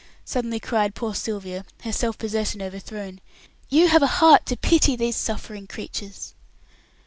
suddenly cried poor Sylvia, her self possession overthrown. "You have a heart to pity these suffering creatures."